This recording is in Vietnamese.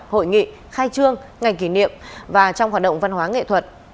hội nghị khai trương ngày kỷ niệm và trong hoạt động văn hóa nghệ thuật